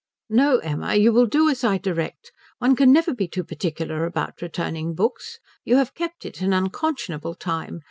"No, Emma, you will do as I direct. One can never be too particular about returning books. You have kept it an unconscionable time.